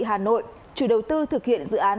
hà nội chủ đầu tư thực hiện dự án